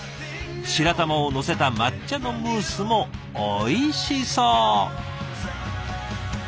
白玉をのせた抹茶のムースもおいしそう！